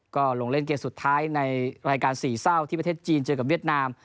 ก็ลงเล่นเกมสุดท้ายในรายการสี่เศร้าที่ประเทศจีนเจอกับเวียดนาม